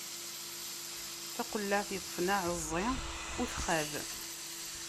Taqellaɛt yeṭṭfen aɛeẓẓi, ur txab.